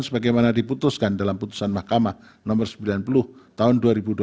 sebagaimana diputuskan dalam putusan mahkamah nomor sembilan puluh tahun dua ribu dua puluh